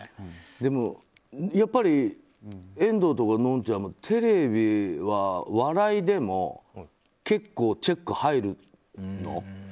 でも、やっぱり遠藤とか、のんちゃんもテレビは笑いでも結構チェック入るの？